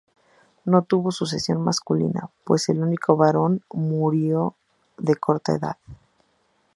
No tuvo sucesión masculina, pues el único hijo varón murió de corta edad.